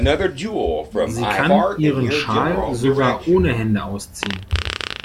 Sie kann ihren Schal sogar ohne Hände ausziehen.